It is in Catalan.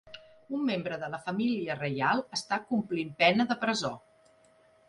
Un membre de la família reial està complint pena de presó.